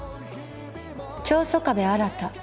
長曾我部新